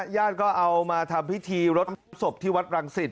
ญาติก็เอามาทำพิธีรดศพที่วัดรังสิต